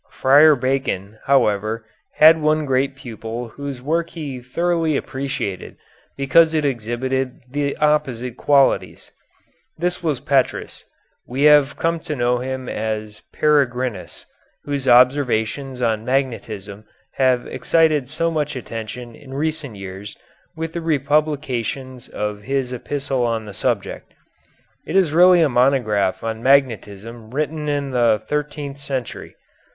Friar Bacon, however, had one great pupil whose work he thoroughly appreciated because it exhibited the opposite qualities. This was Petrus we have come to know him as Peregrinus whose observations on magnetism have excited so much attention in recent years with the republications of his epistle on the subject. It is really a monograph on magnetism written in the thirteenth century.